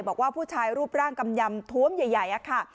บอกว่าผู้ชายรูปร่างกำยำท้วมใหญ่ค่ะ